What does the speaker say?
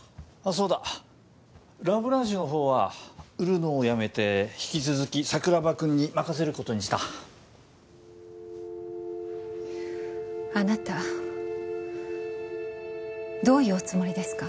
そうだラ・ブランシュのほうは売るのをやめて引き続き桜庭君に任せることにしたあなたどういうおつもりですか？